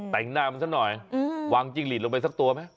แต่งนำซะหน่อยวางจิ้งหลีดลงไปสักตัวไหม